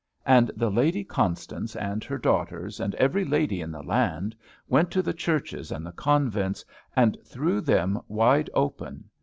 And the Lady Constance and her daughters, and every lady in the land, went to the churches and the convents, and threw them wide open.